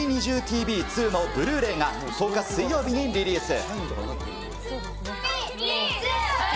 ＴＶ２のブルーレイが、１０日水曜日にリリース。